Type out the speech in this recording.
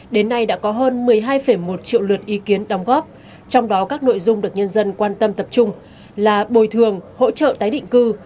đến nay đã có hơn một mươi hai một triệu lượt ý kiến đóng góp trong đó các nội dung được nhân dân quan tâm tập trung là bồi thường hỗ trợ tái định cư